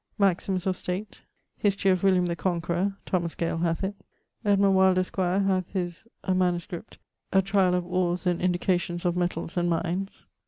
Maximes of State. History of William the Conqueror Thomas Gale hath it. Edmund Wyld, esq., hath his (a manuscript) ☞ 'A tryall of oares and indications of metalls and mines.'